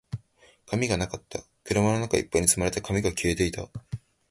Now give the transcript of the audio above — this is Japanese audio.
紙がなかった。車の中一杯に積まれた紙が消えていた。